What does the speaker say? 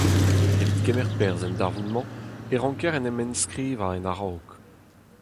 Evit kemer perzh en darvoud-mañ e ranker en em enskrivañ en a-raok.